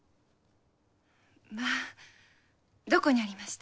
まあどこにありました？